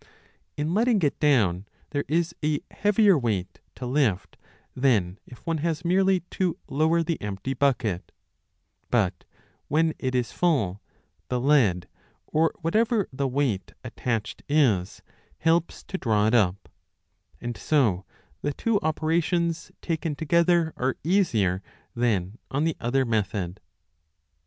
In letting 5 it down there is a heavier weight to lift than if one has merely to lower the empty bucket ; but when it is full, the lead, or whatever the weight attached is, helps to draw it up ; and so the two operations taken together are easier than on the other method.